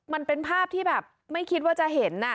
มันเป็นภาพที่แบบไม่คิดว่าจะเห็น